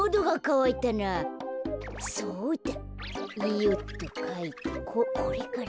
よっとかいてここれかな。